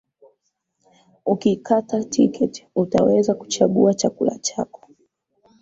Ukikata tiketi, utaweza kuchagua chakula chako